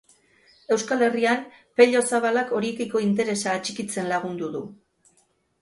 Euskal Herrian, Pello Zabalak horiekiko interesa atxikitzen lagundu du.